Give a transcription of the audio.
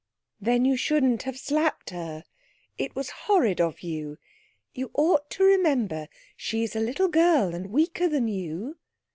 'Then you shouldn't have slapped her; it was horrid of you; you ought to remember she's a little girl and weaker than you.'